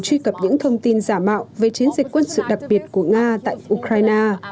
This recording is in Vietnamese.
truy cập những thông tin giả mạo về chiến dịch quân sự đặc biệt của nga tại ukraine